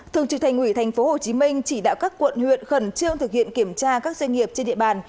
thường trực thành ủy tp hcm chỉ đạo các quận huyện khẩn trương thực hiện kiểm tra các doanh nghiệp trên địa bàn